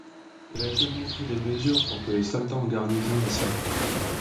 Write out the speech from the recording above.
Il a également pris des mesures pour que les soldats en garnison à St.